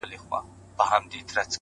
هره لاسته راوړنه ثبات غواړي.